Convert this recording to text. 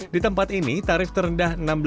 di tempat ini tarif terendah